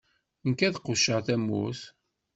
Nekk, ad qucceɣ tamurt.